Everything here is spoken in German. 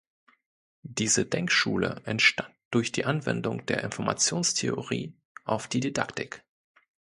Diese Denkschule entstand durch die Anwendung der Informationstheorie auf die Didaktik.